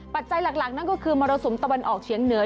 ปัจจัยหลักนั่นก็คือมรสุมตะวันออกเฉียงเหนือ